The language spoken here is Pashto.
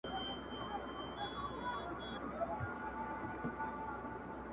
• یوه بل ته به زړه ورکړي بې وسواسه -